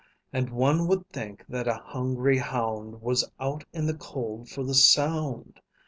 And one would think that a hungry hound Was out in the cold for the sound.